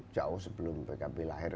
jauh sebelum pkb lahir